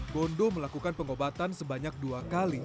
gondo melakukan pengobatan sebanyak dua kali